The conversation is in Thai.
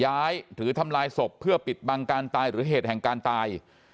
หรือทำลายศพเพื่อปิดบังการตายหรือเหตุแห่งการตาย